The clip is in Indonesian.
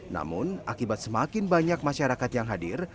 namun akibat semakin banyak masyarakat yang hadir